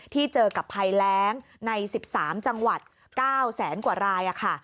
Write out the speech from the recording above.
ที่เจอกับภัยแรงใน๑๓จังหวัด๙แสนกว่าราย